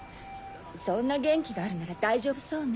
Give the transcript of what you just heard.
そんな元気があるなら大丈夫そうね。